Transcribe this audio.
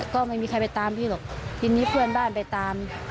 ก็ไม่มีใครไปตามพี่หรอกทีนี้เพื่อนบ้านไปตาม